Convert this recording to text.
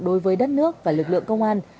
đối với đất nước và lực lượng công an